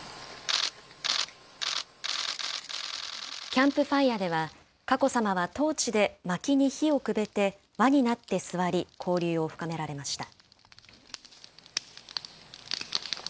キャンプファイアでは、佳子さまはトーチでまきに火をくべて、輪になって座り、交流を深められました。